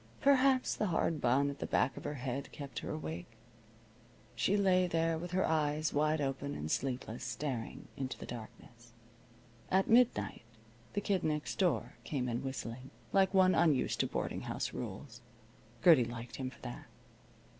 Perhaps the hard bun at the back of her head kept her awake. She lay there with her eyes wide open and sleepless, staring into the darkness. At midnight the Kid Next Door came in whistling, like one unused to boarding house rules. Gertie liked him for that.